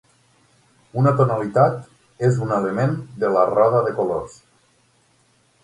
Una tonalitat és un element de la roda de colors.